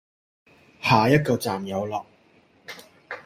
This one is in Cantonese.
下一個站有落